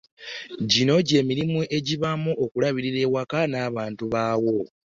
Gino gye mirimu egibaamu okulabirira awaka n’abantu baawo.